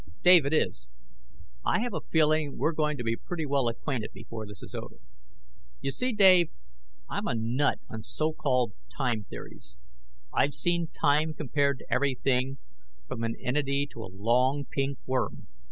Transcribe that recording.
"Dave it is. I have a feeling we're going to be pretty well acquainted before this is over. You see, Dave, I'm a nut on so called 'time theories.' I've seen time compared to everything from an entity to a long, pink worm.